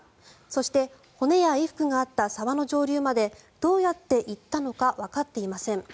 そして骨や衣服があった沢の上流までどうやって行ったのかわかっていません。